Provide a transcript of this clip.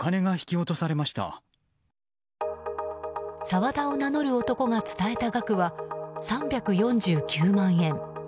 沢田を名乗る男が伝えた額は３４９万円。